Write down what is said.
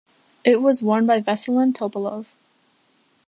It was won by Veselin Topalov.